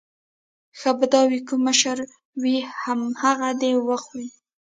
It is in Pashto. ښه به دا وي کوم مشر وي همغه دې وخوري.